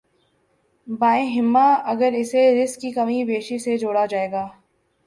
بایں ہمہ، اگر اسے رزق کی کم بیشی سے جوڑا جائے گا۔